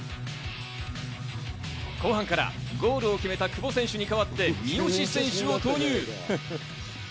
後半からゴールを決めた久保選手に代わって三好選手を投入。